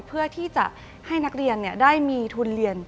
เพื่อที่จะให้นักเรียนได้มีทุนเรียน